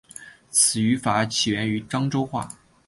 此用法起源于漳州话。